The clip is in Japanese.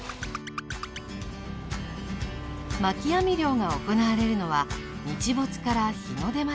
巻き網漁が行われるのは日没から日の出まで。